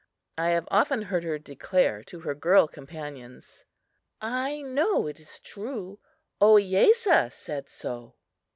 I have often heard her declare to her girl companions: "I know it is true; Ohiyesa said so!"